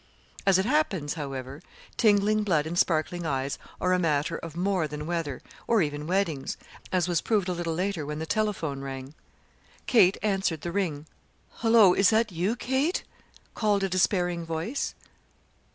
As it happens, however, tingling blood and sparkling eyes are a matter of more than weather, or even weddings, as was proved a little later when the telephone bell rang. Kate answered the ring. "Hullo, is that you, Kate?" called a despairing voice.